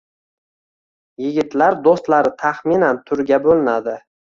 Yigitlar do'stlari taxminan turga bo'linadi